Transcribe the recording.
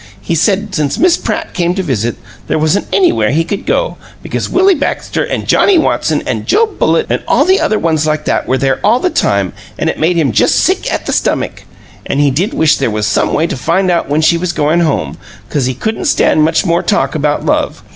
He said since Miss Pratt came to visit, there wasn't anywhere he could go, because Willie Baxter an' Johnnie Watson an' Joe Bullitt an' all the other ones like that were there all the time, an' it made him just sick at the stummick, an' he did wish there was some way to find out when she was goin' home, because he couldn't stand much more talk about love.